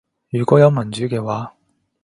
如果有民主嘅話